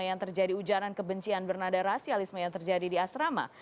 yang terjadi ujaran kebencian bernada rasialisme yang terjadi di asrama